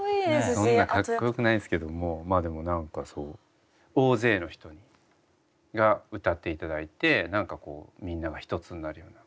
そんなかっこよくないですけどもまあでも何か大勢の人が歌って頂いて何かこうみんなが一つになるような。